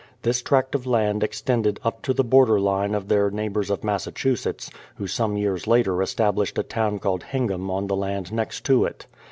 This tract of land extended up to the border line of their neighbours of Massachusetts, who some years later estab lished a town called Hingam on the land next to it.